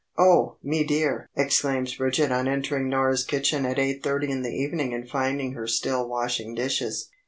"Oh, me dear!" exclaims Bridget on entering Norah's kitchen at eight thirty in the evening and finding her still washing dishes.